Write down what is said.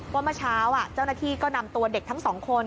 เมื่อเช้าเจ้าหน้าที่ก็นำตัวเด็กทั้งสองคน